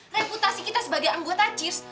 reputasi kita sebagai anggota jis